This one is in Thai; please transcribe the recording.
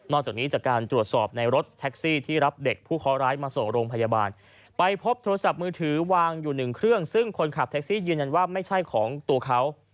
จากนี้จากการตรวจสอบในรถแท็กซี่ที่รับเด็กผู้เคาะร้ายมาส่งโรงพยาบาลไปพบโทรศัพท์มือถือวางอยู่หนึ่งเครื่องซึ่งคนขับแท็กซี่ยืนยันว่าไม่ใช่ของตัวเขา